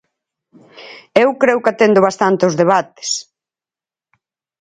Eu creo que atendo bastante aos debates.